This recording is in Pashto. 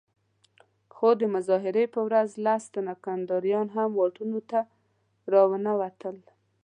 خو د مظاهرې په ورځ لس تنه کنداريان هم واټونو ته راونه وتل.